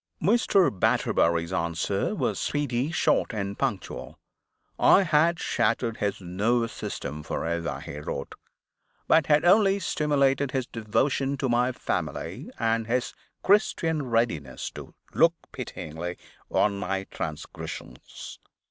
Mr. Batterbury's answer was speedy, short, and punctual. I had shattered his nervous system forever, he wrote, but had only stimulated his devotion to my family, and his Christian readiness to look pityingly on my transgressions.